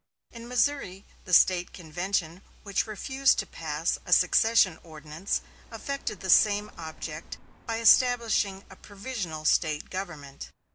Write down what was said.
In Missouri the State convention which refused to pass a secession ordinance effected the same object by establishing a provisional State government.